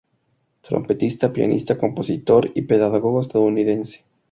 Trompetista, pianista, compositor y pedagogo estadounidense.